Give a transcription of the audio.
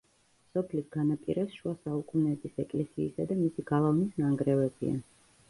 სოფლის განაპირას შუა საუკუნეების ეკლესიისა და მისი გალავნის ნანგრევებია.